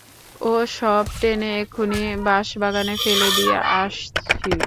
ও সব টেনে এক্ষুনি বাঁশবাগানে ফেলে দিয়ে আসচি।